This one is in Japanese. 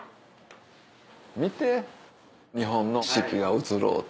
見て日本の四季が移ろうて。